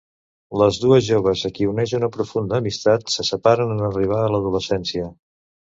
Les dues joves, a qui uneix una profunda amistat, se separen en arribar a l'adolescència.